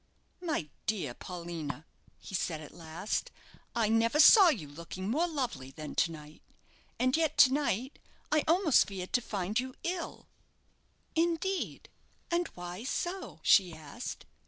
"My dear Paulina," he said at last, "I never saw you looking more lovely than to night. And yet to night I almost feared to find you ill." "Indeed; and why so?" she asked.